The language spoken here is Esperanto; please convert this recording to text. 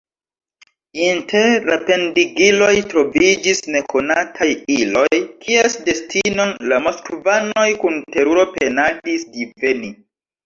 Inter la pendigiloj troviĝis nekonataj iloj, kies destinon la moskvanoj kun teruro penadis diveni.